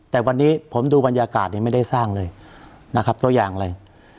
แต่วันนี้ผมดูบรรยากาศไม่ได้สร้างเลยตัวอย่างอะไร